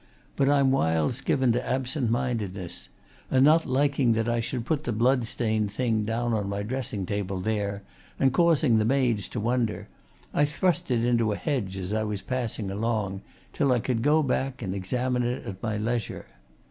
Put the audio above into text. But I'm whiles given to absent mindedness, and not liking that I should put the blood stained thing down on my dressing table there and cause the maids to wonder, I thrust it into a hedge as I was passing along, till I could go back and examine it at my leisure.